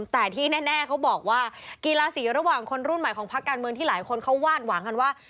แต่ที่แน่เขาบอกว่ากีฬาสีระหว่างคนรุ่นใหม่ของพักการเมืองที่หลายคนเขาวาดหวังกันว่า